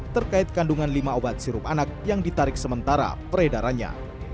terkait kandungan lima obat sirup anak yang ditarik sementara peredarannya